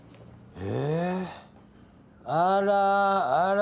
え？